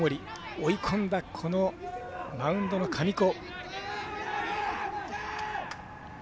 追い込んだ、マウンドの神子。